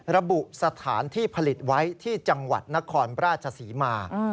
ระบุสถานที่ผลิตไว้ที่จังหวัดนครราชศรีมา